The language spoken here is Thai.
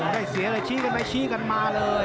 ได้เสียเลยชี้กันไปชี้กันมาเลย